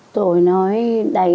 tôi nói đầy đủ